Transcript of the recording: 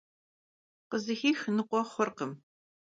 Khızıxix nıkhue xhurkhım.